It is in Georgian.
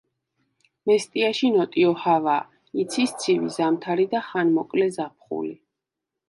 მესტიაში ნოტიო ჰავაა, იცის ცივი ზამთარი და ხანმოკლე ზაფხული.